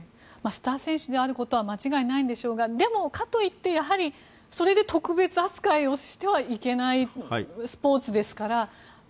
スター選手であることは間違いないんでしょうがでも、かといってやはりそれで特別扱いをしてはいけないスポーツですから。